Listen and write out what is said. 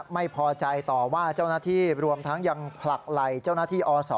ไม่พอใจต่อว่าเจ้าหน้าที่รวมทั้งยังผลักไหล่เจ้าหน้าที่อศ